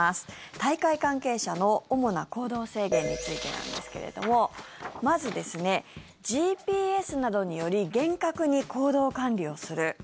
大会関係者の主な行動制限についてなんですけれどもまず、ＧＰＳなどにより厳格に行動管理をする。